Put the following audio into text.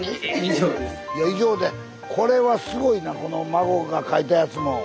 いや以上ってこれはすごいなこの孫が描いたやつも壁画。